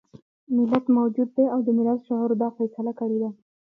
ملت موجود دی او د ملت شعور دا فيصله کړې ده.